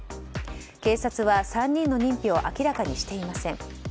警察は３人の認否を明らかにしていません。